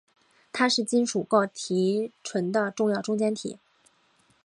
它是金属锆提纯的重要中间体。